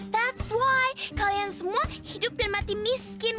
that's why kalian semua hidup dan mati miskin